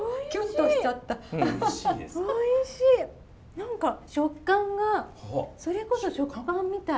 何か食感がそれこそ食パンみたい。